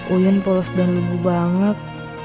uyun polos dan lugu banget